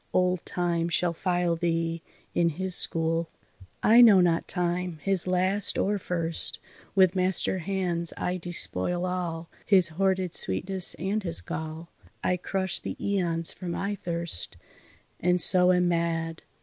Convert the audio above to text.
Old Time shall file thee in his school." "I know not Time, his last or first; With master hands I despoil all His hoarded sweetness and his gall. I crush the aeons for my thirst, And so am mad.